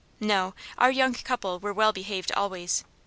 No, our young couple were well behaved always.